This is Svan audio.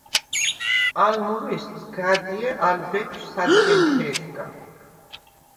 ალ მურვისდ სგა̈დჲე ალ ბეფშვ სადგემთე̄სგა.